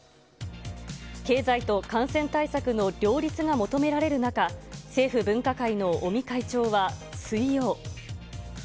経済と感染対策の両立が求められる中、政府分科会の尾身会長は水曜。